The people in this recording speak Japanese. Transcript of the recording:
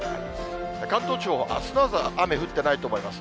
関東地方、あすの朝は雨降ってないと思います。